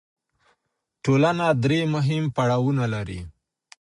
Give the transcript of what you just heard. ټولنه درې مهم پړاوونه لري.